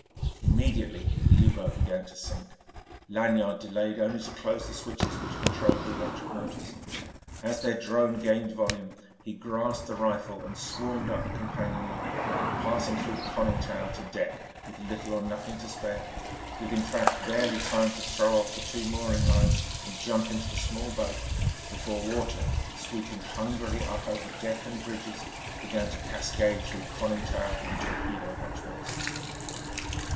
Immediately the U boat began to sink. Lanyard delayed only to close the switches which controlled the electric motors. As their drone gained volume he grasped the rifle and swarmed up the companion ladder, passing through the conning tower to deck with little or nothing to spare with, in fact, barely time to throw off the two mooring lines and jump into the small boat before water, sweeping hungrily up over deck and bridge, began to cascade through conning tower and torpedo hatchways.